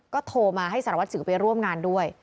ก็โทรมาให้สารวัสสิวไปร่วมงานด้วย